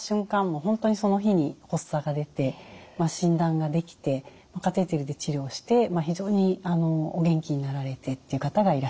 もう本当にその日に発作が出て診断ができてカテーテルで治療して非常にお元気になられてっていう方がいらっしゃいます。